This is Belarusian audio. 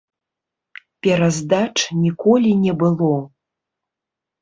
Пераздач ніколі не было.